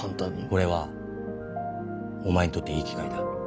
これはお前にとっていい機会だ。